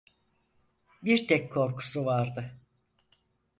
Bir tek korkusu vardı: